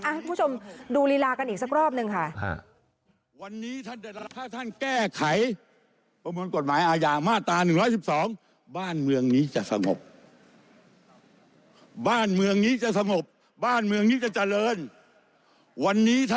คุณผู้ชมดูลีลากันอีกสักรอบหนึ่งค่ะ